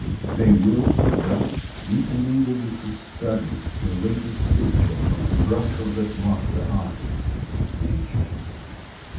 They will thus be enabled to study the latest picture from the brush of that master artist, Nature.